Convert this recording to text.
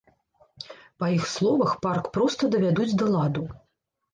Па іх словах, парк проста давядуць да ладу.